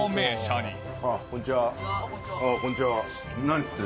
こんにちは。